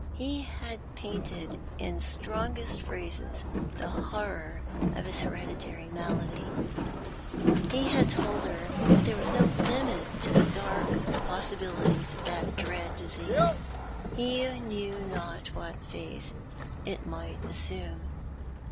He had painted in strongest phrases the horror of his Bereditary malady. He had told her that there was no limit to the dark possibilities of that dread disease. He knew not what phase it might assume.